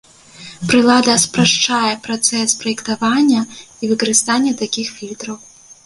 Прылада спрашчае працэс праектавання і выкарыстання такіх фільтраў.